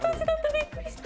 びっくりした。